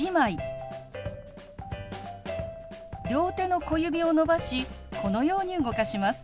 両手の小指を伸ばしこのように動かします。